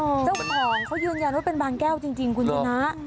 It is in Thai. เจ้าของเขายืนยันว่าเป็นบางแก้วจริงคุณชนะ